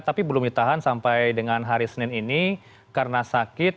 tapi belum ditahan sampai dengan hari senin ini karena sakit